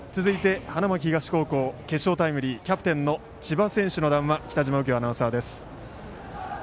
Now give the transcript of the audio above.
続いて、花巻東高校決勝タイムリー、キャプテンの千葉選手の談話北嶋右京アナウンサーです。